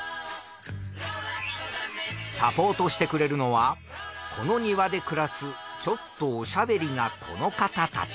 サポートしてくれるのはこの庭で暮らすちょっとおしゃべりなこの方たち。